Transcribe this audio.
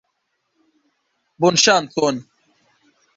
Bonŝancon!